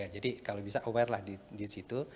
jadi kalau bisa aware lah di situ